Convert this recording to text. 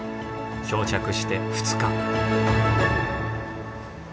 漂着して２日。